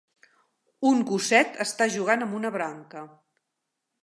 Un gosset està jugant amb una branca.